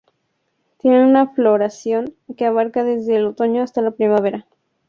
Tiene una floración que abarca desde el otoño hasta la primavera.